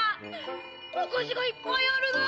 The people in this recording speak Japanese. おかしがいっぱいあるだ！